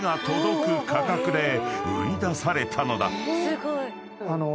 ［売り出されたのだ］